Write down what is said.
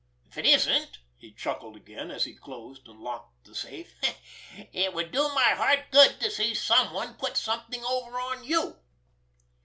If it isn't"—he chuckled again, as he closed and locked the safe—"it would do my heart good to see someone put something over on you!"